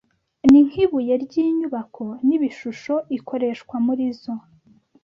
ni nkibuye ryinyubako nibishusho ikoreshwa murizo